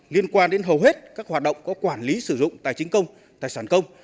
liên quan đến hầu hết các hoạt động có quản lý sử dụng tài chính công tài sản công